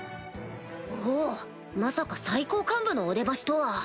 おぉまさか最高幹部のお出ましとは